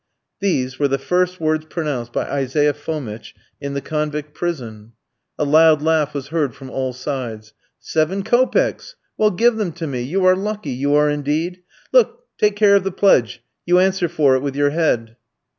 These were the first words pronounced by Isaiah Fomitch in the convict prison. A loud laugh was heard from all sides. "Seven kopecks! Well, give them to me; you are lucky, you are indeed. Look! Take care of the pledge, you answer for it with your head."